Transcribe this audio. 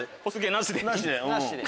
なしで。